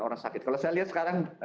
orang sakit kalau saya lihat sekarang